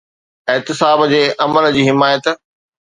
احتساب جي عمل جي حمايت.